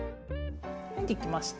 はいできました。